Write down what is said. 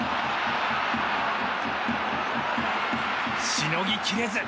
しのぎ切れず。